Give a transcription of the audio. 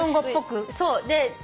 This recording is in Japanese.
そう。